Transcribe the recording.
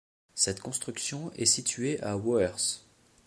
Cette construction est située à Wœrth.